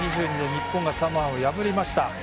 日本がサモアを破りました。